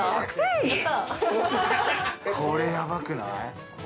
これやばくない？